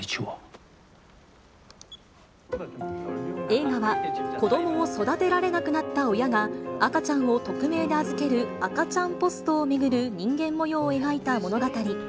映画は、子どもを育てられなくなった親が、赤ちゃんを匿名で預ける赤ちゃんポストを巡る人間模様を描いた物語。